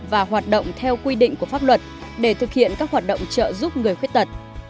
và hoạt động theo quy định của pháp luật để thực hiện các hoạt động trợ giúp người khuyết tật